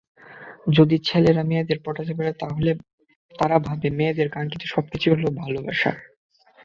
যদি ছেলেরা মেয়েদের পটাতে পারে তারা ভাবে, মেয়েদের কাঙ্ক্ষিত সবকিছুই হলো ভালোবাসা।